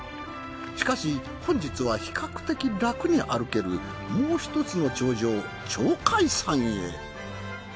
しかし本日は比較的楽に歩けるもうひとつの頂上鳥海山へ。